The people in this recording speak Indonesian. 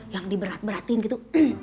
yang diberat beratin gitu